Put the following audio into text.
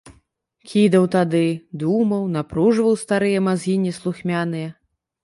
Кідаў тады, думаў, напружваў старыя мазгі неслухмяныя.